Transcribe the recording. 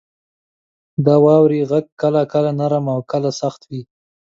• د واورې غږ کله کله نرم او کله سخت وي.